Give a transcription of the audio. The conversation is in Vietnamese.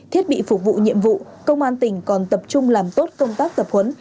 thiết bị phục vụ nhiệm vụ công an tỉnh còn tập trung làm tốt công tác tập huấn